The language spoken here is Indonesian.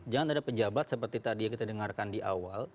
jangan ada pejabat seperti tadi yang kita dengarkan di awal